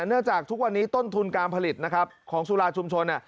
เนื่องจากทุกวันนี้ต้นทุนการผลิตนะครับของสุราชุมชน